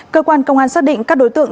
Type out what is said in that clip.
cơ quan công an xác định các đối tượng